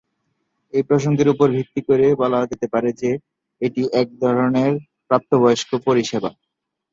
এই প্রসঙ্গের উপর ভিত্তি করে বলা যেতে পারে যে, এটি এক ধরনের প্রাপ্তবয়স্ক পরিষেবা।